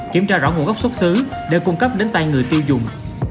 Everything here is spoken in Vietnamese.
kiểm tra rõ nguồn gốc xuất xứ để cung cấp đến tay người tiêu dùng